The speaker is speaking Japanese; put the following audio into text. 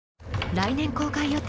来年公開予定